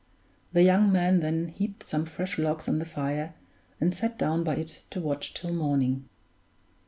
The young man then heaped some fresh logs on the fire, and sat down by it to watch till morning.